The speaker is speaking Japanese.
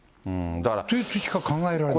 としか考えられない。